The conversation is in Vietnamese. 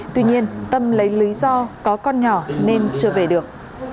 tuy nhiên tâm lấy lý do có con nhỏ nên chưa về được